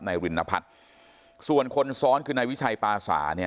รินพัฒน์ส่วนคนซ้อนคือนายวิชัยปาสาเนี่ย